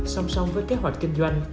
xong xong với kế hoạch kinh doanh